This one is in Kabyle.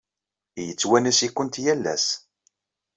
Yettwanas-ikent yal ass.